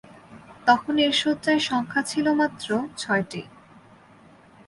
তখন এর শয্যার সংখ্যা ছিল মাত্র ছয়টি।